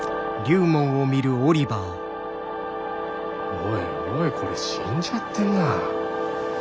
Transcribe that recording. おいおいこれ死んじゃってんな。